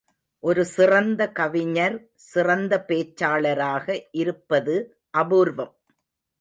ஒரு சிறந்த கவிஞர், சிறந்த பேச்சாளராக இருப்பது அபூர்வம்.